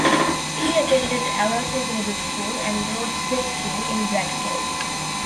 He attended Allerton Middle School and Rhodesway School in Bradford.